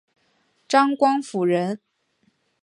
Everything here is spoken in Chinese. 张光辅人。